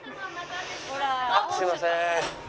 あっすいません。